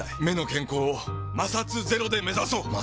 目の健康を摩擦ゼロで目指そう！